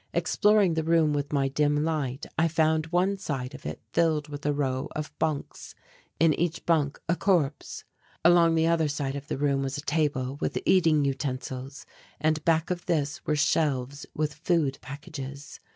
Exploring the room with my dim light I found one side of it filled with a row of bunks in each bunk a corpse. Along the other side of the room was a table with eating utensils and back of this were shelves with food packages.